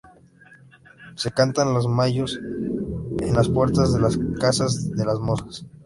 Se cantan los mayos en las puertas de las casas de las mozas.